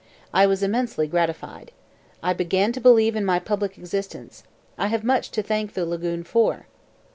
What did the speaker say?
I was immensely gratified. I began to believe in my public existence. I have much to thank The Lagoon for.